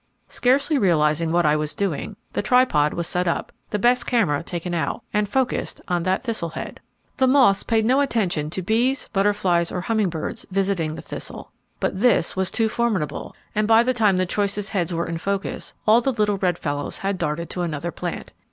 Scarcely realizing what I was doing, the tripod was set up, the best camera taken out, and focused on that thistle head. The moths paid no attention to bees, butterflies, or humming birds visiting the thistle, but this was too formidable, and by the time the choicest heads were in focus, all the little red fellows had darted to another plant.